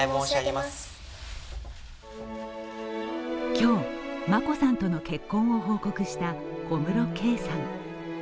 今日、眞子さんとの結婚を報告した小室圭さん。